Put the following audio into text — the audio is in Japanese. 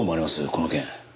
この件。